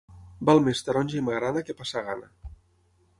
Val més taronja i magrana que passar gana.